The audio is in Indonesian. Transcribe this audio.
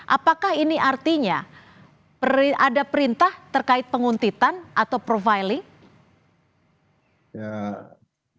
apakah ini artinya ada perintah terkait penguntitan atau profiling